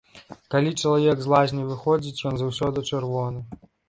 Калі чалавек з лазні выходзіць, ён заўсёды чырвоны.